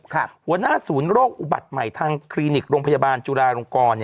หัวหน้าศูนย์โรคอุบัติใหม่ทางคลินิกโรงพยาบาลจุฬาลงกร